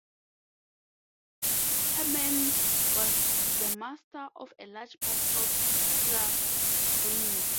Hermann was the master of a large part of Slavonia.